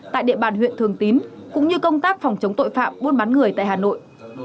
tại địa bàn huyện thường tín cũng như công tác phòng chống tội phạm buôn bán người tại hà nội